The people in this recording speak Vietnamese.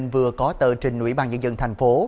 vừa có tờ trình nữ y bàn dân dân thành phố